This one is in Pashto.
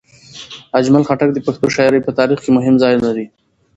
اجمل خټک د پښتو شاعرۍ په تاریخ کې مهم ځای لري.